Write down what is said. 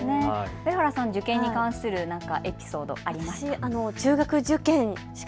上原さんは受験に関するエピソードありますか。